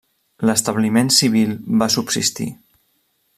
L'establiment civil va subsistir.